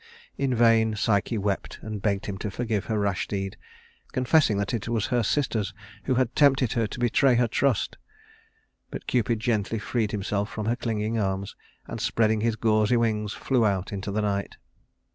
In vain Psyche wept and begged him to forgive her rash deed, confessing that it was her sisters who had tempted her to betray her trust. But Cupid gently freed himself from her clinging arms, and spreading his gauzy wings flew out into the night.